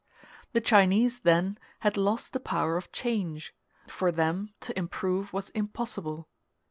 The Chinese, then, had lost the power of change; for them to improve was impossible.